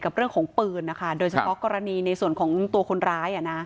เรื่องของปืนนะคะโดยเฉพาะกรณีในส่วนของตัวคนร้าย